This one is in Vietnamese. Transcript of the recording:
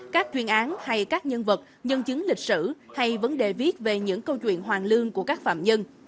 các chuyên án hay các nhân vật nhân chứng lịch sử hay vấn đề viết về những câu chuyện hoàng lương của các phạm nhân